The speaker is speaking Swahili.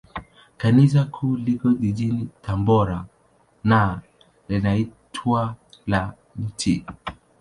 Kanisa Kuu liko jijini Tabora, na linaitwa la Mt.